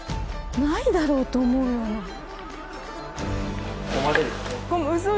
ないだろうと思うような。